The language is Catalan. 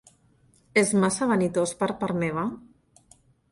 És massa vanitós per part meva?